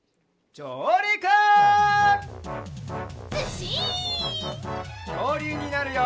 きょうりゅうになるよ！